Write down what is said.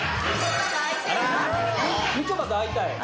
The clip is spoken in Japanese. みちょぱと会いたい？